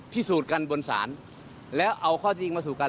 พิสูจน์กันบนศาลแล้วเอาข้อจริงมาสู่กัน